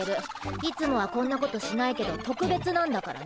いつもはこんなことしないけどとくべつなんだからね。